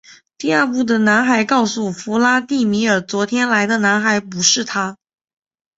第二幕的男孩告诉弗拉第米尔昨天来的男孩不是他。